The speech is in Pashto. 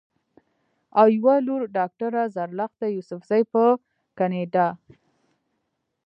او يوه لورډاکټره زرلښته يوسفزۍ پۀ کنېډا